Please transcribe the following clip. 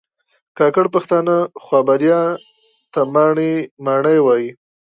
کاکړ پښتانه خوابدیا ته ماڼی وایي